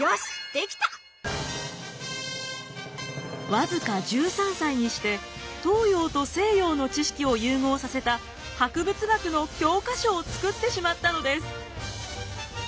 僅か１３歳にして東洋と西洋の知識を融合させた博物学の教科書を作ってしまったのです。